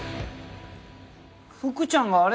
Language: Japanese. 福ちゃんがあれ？